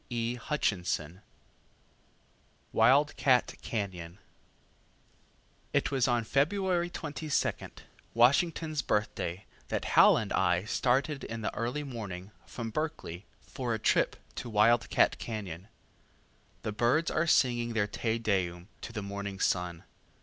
Wild cat Cañon It was on February 22, Washington's Birthday, that Hal and I started in the early morning from Berkeley, for a trip to Wild cat Cañon. The birds are singing their Te Deum to the morning sun.